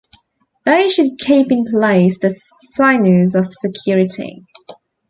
They should keep in place the sinews of security.